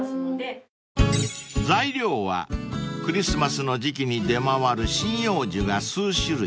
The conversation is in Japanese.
［材料はクリスマスの時季に出回る針葉樹が数種類］